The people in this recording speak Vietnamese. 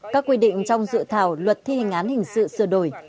các quy định trong dự thảo luật thi hành án hình sự sửa đổi